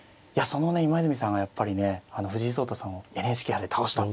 そのね今泉さんがやっぱりね藤井聡太さんをＮＨＫ杯で倒した。